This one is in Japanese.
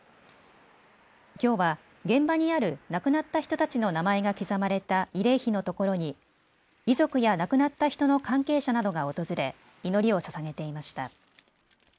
きょうは現場にある亡くなった人たちの名前が刻まれた慰霊碑の所に遺族や亡くなった人の関係者などが訪れ、祈りをささげていました。